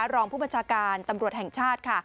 รองผู้ปราชาการตำรวจแห่งชาติ